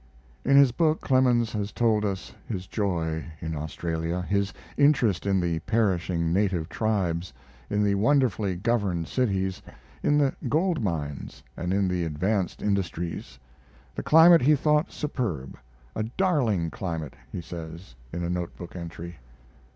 In his book Clemens has told us his joy in Australia, his interest in the perishing native tribes, in the wonderfully governed cities, in the gold mines, and in the advanced industries. The climate he thought superb; "a darling climate," he says in a note book entry.